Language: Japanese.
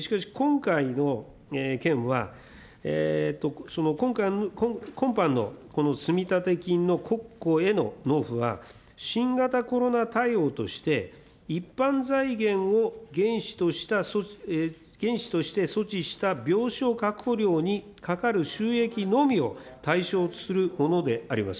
しかし、今回の件は、その今般のこの積立金の国庫への納付は、新型コロナ対応として一般財源を原資として措置した病床確保料にかかる収益のみを対象とするものであります。